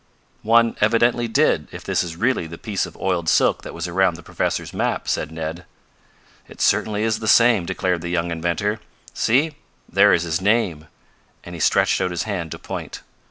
"One evidently did, if this is really the piece of oiled silk that was around the professor's map," said Ned. "It certainly is the same," declared the young inventor. "See, there is his name," and he stretched out his hand to point.